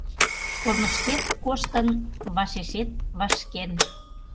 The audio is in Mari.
Корнышкет коштын, вашешет вашкен